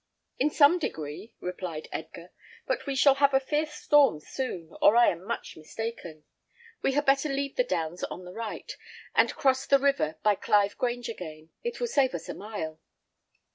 "In some degree," replied Edgar; "but we shall have a fierce storm soon, or I am much mistaken. We had better leave the downs on the right, and cross the river by Clive Grange again. It will save us a mile."